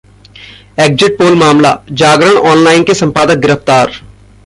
exit poll मामलाः Jagran online के संपादक गिरफ्तार